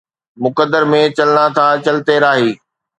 مقدر مين چلنا ٿا چلتي راهي